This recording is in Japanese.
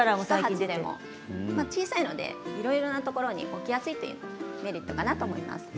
小さいのでいろいろなところに置きやすいというのがメリットかなと思います。